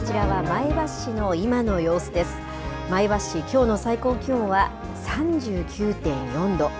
前橋市、きょうの最高気温は３９．４度。